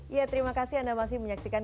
ya terima kasih anda masih menyaksikan